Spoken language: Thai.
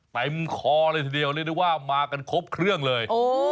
เต็มคอเลยทีเดียวเรียกได้ว่ามากันครบเครื่องเลย